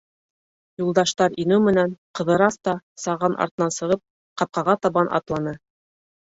Юлдаштар инеү менән, Ҡыҙырас та, саған артынан сығып, ҡапҡаға табан атланы.